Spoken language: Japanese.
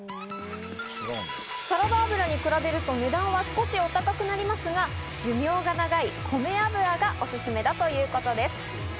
サラダ油に比べると値段は少しお高くなりますが、寿命が長い米油がオススメだということです。